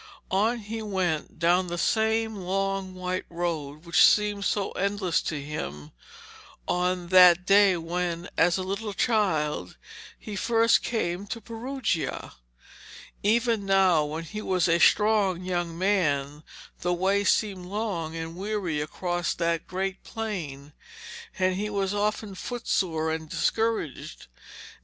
On he went down the same long white road which had seemed so endless to him that day when, as a little child, he first came to Perugia. Even now, when he was a strong young man, the way seemed long and weary across that great plain, and he was often foot sore and discouraged.